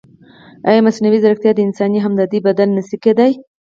ایا مصنوعي ځیرکتیا د انساني همدردۍ بدیل نه شي کېدای؟